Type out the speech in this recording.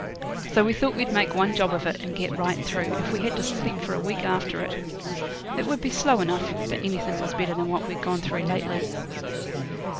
So we thought we'd make one job of it, and get right through, if we had to sleep for a week after it. It would be slow enough, but anything was better than what we'd gone through lately.